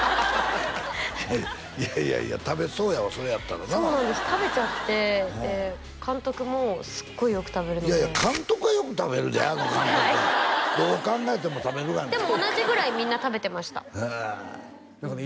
いやいやいや食べそうやわそれやったらなそうなんです食べちゃってで監督もすっごいよく食べるのでいやいや監督はよく食べるであの監督はどう考えても食べるがなでも同じぐらいみんな食べてました何かね